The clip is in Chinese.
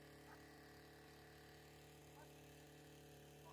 双方为战俘遣返的原则进行了一系列激烈的外交和军事斗争。